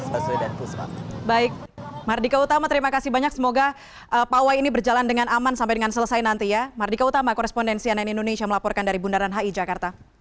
pada hari ini saya akan menunjukkan kepada anda